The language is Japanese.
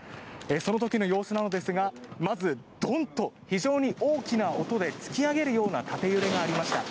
その時の様子なのですがまずドンと非常に大きな音で突き上げるような縦揺れがありました。